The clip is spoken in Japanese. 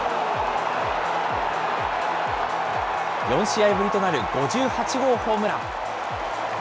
４試合ぶりとなる５８号ホームラン。